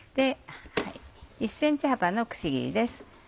１ｃｍ幅のくし切りです。